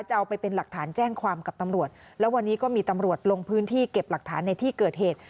เอาไปเป็นหลักฐานแจ้งความกับตำรวจแล้ววันนี้ก็มีตำรวจลงพื้นที่เก็บหลักฐานในที่เกิดเหตุ